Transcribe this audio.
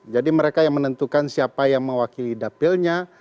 jadi mereka yang menentukan siapa yang mewakili dapilnya